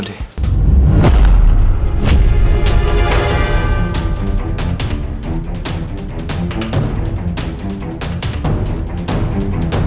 dewa temen aku